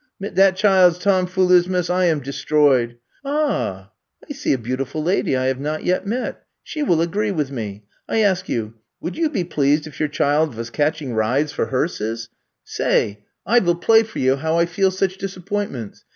Mit dat child's tomfoolismus I am de stroyed. Ah, I see a beautiful lady I have not yet met. She will agree with me. I ask you, would you be pleased if your child vas catching rides for hearses f Say, I vill 34 I'VE COME TO STAY play for you how I feel such disappoint ments.